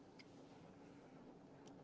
pada malam hari ini